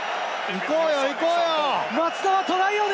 行こうよ！